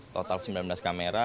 total sembilan belas kamera